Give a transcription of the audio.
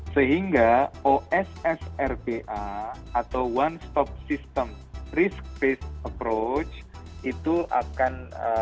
sehingga ossrba atau one stop system risk based approach itu akan